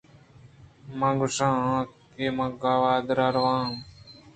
من ءَ گْوشت ئِے کہ من گْوادر ءَ رو آں۔